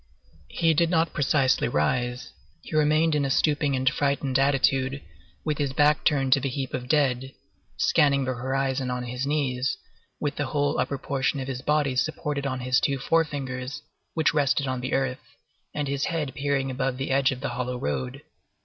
He did not precisely rise; he remained in a stooping and frightened attitude, with his back turned to the heap of dead, scanning the horizon on his knees, with the whole upper portion of his body supported on his two forefingers, which rested on the earth, and his head peering above the edge of the hollow road.